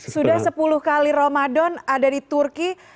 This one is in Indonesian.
sudah sepuluh kali ramadan ada di turki